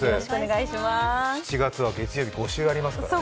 ７月は月曜日、５週ありますからね。